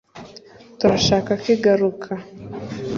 turashaka ko igaruka